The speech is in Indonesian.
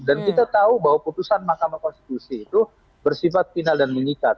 dan kita tahu bahwa putusan mahkamah konstitusi itu bersifat final dan menyikat